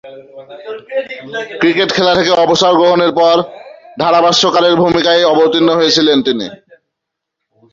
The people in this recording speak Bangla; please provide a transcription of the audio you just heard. ক্রিকেট খেলা থেকে অবসর গ্রহণের পর ধারাভাষ্যকারের ভূমিকায় অবতীর্ণ হয়েছেন তিনি।